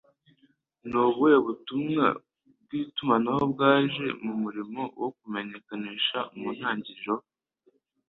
Ni ubuhe butumwa bwitumanaho bwaje mu muriro wo kumenyekanisha mu ntangiriro